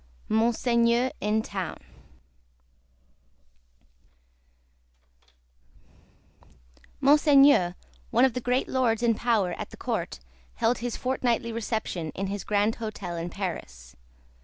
Monseigneur in Town Monseigneur, one of the great lords in power at the Court, held his fortnightly reception in his grand hotel in Paris.